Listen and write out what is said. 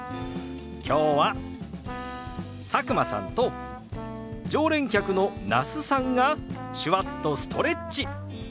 今日は佐久間さんと常連客の那須さんが手話っとストレッチ。